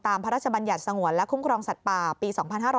พระราชบัญญัติสงวนและคุ้มครองสัตว์ป่าปี๒๕๕๙